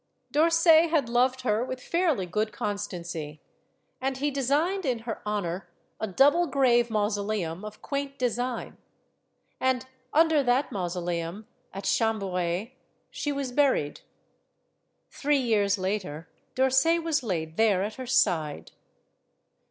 D'Orsay had loved her with fairly good constancy, and he designed in her honor a double grave mauso leum of quaint design. And under that mausoleum, THE MOST GORGEOUS LADY BLESSINGTON 229 at Chambourey, she was buried. Three years later, D'Orsay was laid there at her side.